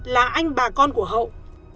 là anh bà con của hậu